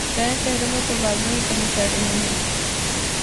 چار شہرو ں میں پروازوں کی کمی کر رہے ہیں